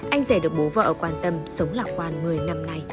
anh rể được bố vợ quan tâm sống lạc quan một mươi năm nay